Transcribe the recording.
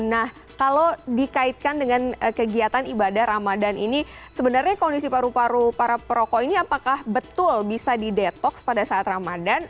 nah kalau dikaitkan dengan kegiatan ibadah ramadan ini sebenarnya kondisi paru paru para perokok ini apakah betul bisa didetoks pada saat ramadan